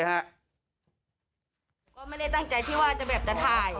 ก็ไม่ได้ตั้งใจที่ว่าจะแบบจะถ่าย